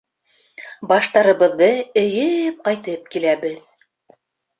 Баштарыбыҙҙы эйеп ҡайтып киләбеҙ.